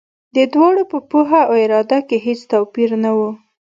د دواړو په پوهه او اراده کې هېڅ توپیر نه و.